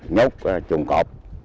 nhốt trùng cọp